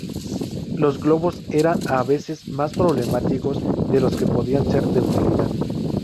Los globos eran a veces más problemáticos de lo que podían ser de utilidad.